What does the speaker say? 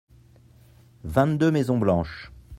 vingt deux maisons blanches.